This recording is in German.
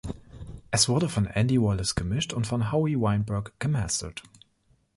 Es wurde von Andy Wallace gemischt und von Howie Weinberg gemastert.